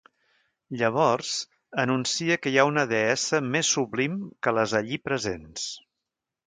Llavors, anuncia que hi ha una Deessa més sublim que les allí presents.